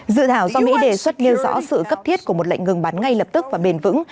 dự thảo do mỹ đề xuất nêu rõ sự cấp thiết của một lệnh ngừng bắn ngay lập tức và bền vững